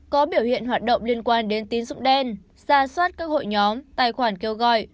có biểu hiện hoạt động liên quan đến tín dụng đen ra soát các hội nhóm tài khoản kêu gọi